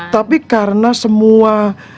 tapi karena semua